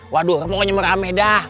waduh pokoknya merame dah